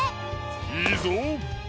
いいぞ！